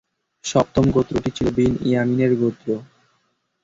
সপ্তম গোত্রটি ছিল বিন ইয়ামীন-এর গোত্র।